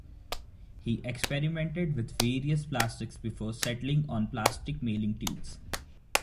He experimented with various plastics before settling on plastic mailing tubes.